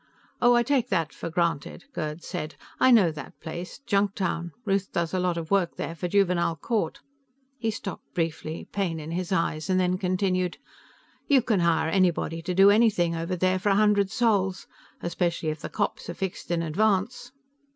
"Oh, I take that for granted," Gerd said. "I know that place. Junktown. Ruth does a lot of work there for juvenile court." He stopped briefly, pain in his eyes, and then continued: "You can hire anybody to do anything over there for a hundred sols, especially if the cops are fixed in advance."